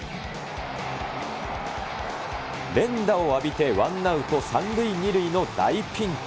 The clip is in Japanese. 連打を浴びて、ワンアウト３塁２塁の大ピンチ。